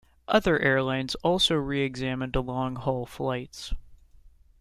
Other airlines also re-examined long-haul flights.